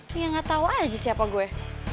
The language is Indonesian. dia enggak tau aja siapa gue